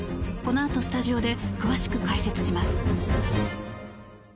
このあとスタジオで詳しく解説します。